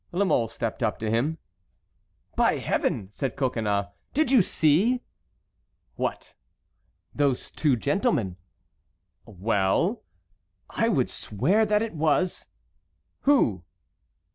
La Mole stepped up to him. "By Heaven!" said Coconnas, "did you see?" "What?" "Those two gentlemen." "Well?" "I would swear that it was"— "Who?"